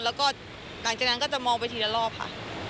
แล้วก็หลังจากนั้นก็จะมองไปทีละรอบค่ะ